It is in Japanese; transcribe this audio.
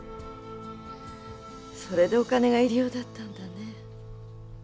それでお金が入り用だったんだね。